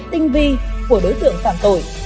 tinh vi của đối tượng phạm tội